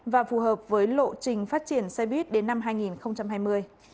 và phù hợp với lộ trình phát triển xe buýt đến năm hai nghìn hai mươi